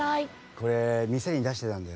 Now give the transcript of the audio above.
これ店に出してたんだよな。